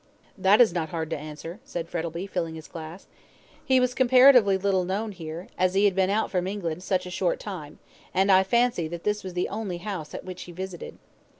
"That is not hard to answer," said Frettlby, filling his glass. "He was comparatively little known here, as he had been out from England such a short time, and I fancy that this was the only house at which he visited."